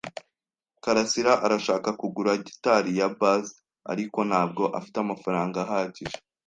karasira arashaka kugura gitari ya bass, ariko ntabwo afite amafaranga ahagije.